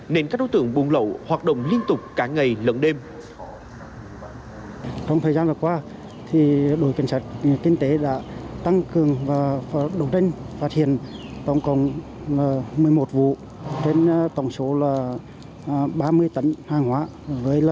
nên các đối tượng buôn lậu hoạt động liên tục cả ngày lẫn đêm